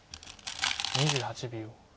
２８秒。